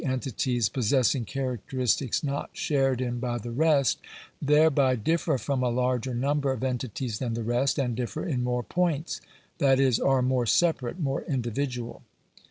entities possessing characteristics not shared in by the rest, thereby differ from a larger number of entities than the rest, and differ in more points — that is, are more separate, more individual.